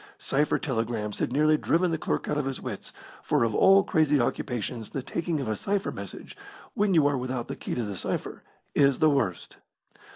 Cipher telegrams had nearly driven the clerk out of his wits, for of all crazy occupations the taking of a cipher message, when you are without the key to the cipher, is the worst.